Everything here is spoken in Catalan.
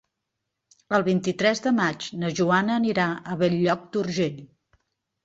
El vint-i-tres de maig na Joana anirà a Bell-lloc d'Urgell.